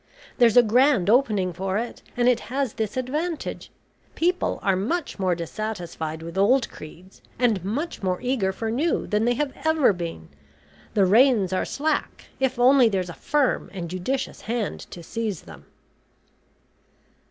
There's a grand opening for it, and it has this advantage people are much more dissatisfied with old creeds, and much more eager for new, than they have ever been. The reins are slack, if only there's a firm and judicious hand to seize them."